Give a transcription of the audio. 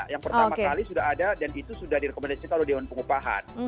yang pertama kali sudah ada dan itu sudah direkomendasikan oleh dewan pengupahan